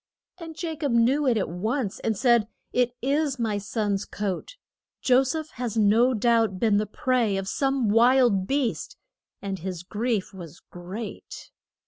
And Ja cob knew it at once, and said, It is my son's coat. Jo seph has no doubt been the prey of some wild beast. And his grief was great.